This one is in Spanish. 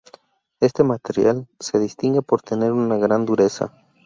Este material se distingue por tener una gran dureza.